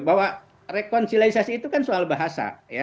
bahwa rekonsiliasi itu kan soal bahasa